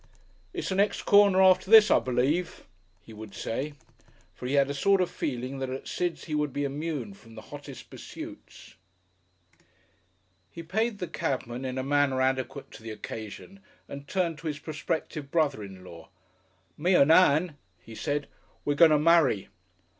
"It's the next corner after this, I believe," he would say. For he had a sort of feeling that at Sid's he would be immune from the hottest pursuits. He paid the cabman in a manner adequate to the occasion and turned to his prospective brother in law. "Me and Ann," he said, "we're going to marry."